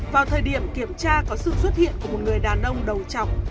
vào thời điểm kiểm tra có sự xuất hiện của một người đàn ông đầu chọc